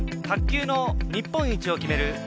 卓球の日本一を決める